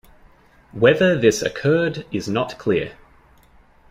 Whether this occurred is not clear.